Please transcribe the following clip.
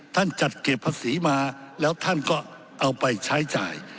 จัดเก็บภาษีมาแล้วท่านก็เอาไปใช้จ่าย